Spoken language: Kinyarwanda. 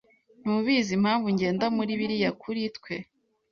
Ntubizi, impamvu ngenda muri biriya kuri twe